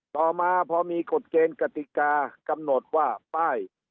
ต่อมาพอมีกฎเกณฑ์กติกากำหนดว่าป้าย